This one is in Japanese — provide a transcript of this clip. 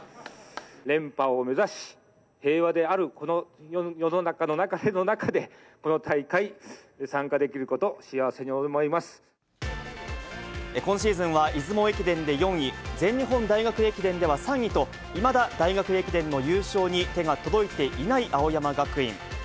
連覇を目指し、平和であるこの世の中の流れの中で、この大会、今シーズンは出雲駅伝で４位、全日本大学駅伝では３位と、いまだ大学駅伝の優勝に手が届いていない青山学院。